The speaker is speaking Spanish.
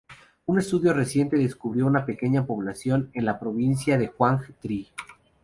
Un estudio reciente descubrió una pequeña población en la provincia de Quang Tri.